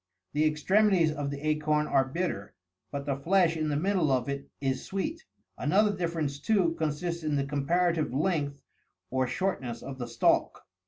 The extremities of the acorn are bitter, but the flesh in the middle of it is sweet;55 another difference, too, consists in the comparative length or shortness of the stalk.